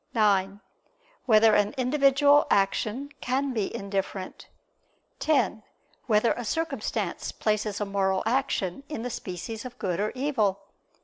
(9) Whether an individual action can be indifferent? (10) Whether a circumstance places a moral action in the species of good or evil?